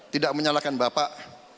tidak menyalahkan bapak